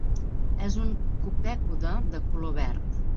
És un copèpode de color verd.